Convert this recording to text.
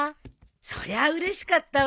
そりゃあうれしかったわよ。